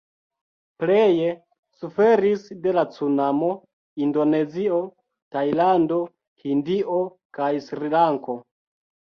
Pleje suferis de la cunamo Indonezio, Tajlando, Hindio kaj Srilanko.